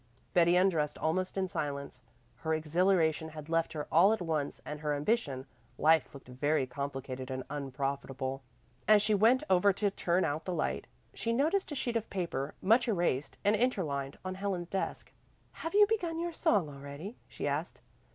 Betty undressed almost in silence. Her exhilaration had left her all at once and her ambition; life looked very complicated and unprofitable. As she went over to turn out the light, she noticed a sheet of paper, much erased and interlined, on Helen's desk. "Have you begun your song already?" she asked.